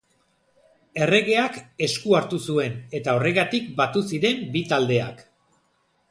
Erregeak esku hartu zuen, eta horregatik batu ziren bi taldeak.